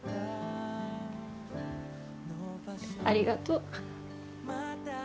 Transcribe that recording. ありがとう。